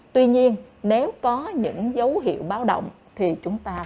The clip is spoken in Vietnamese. tuy nhiên nếu có những dấu hiệu báo động thì chúng ta